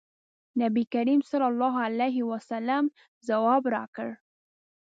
نبي کریم صلی الله علیه وسلم ځواب راکړ.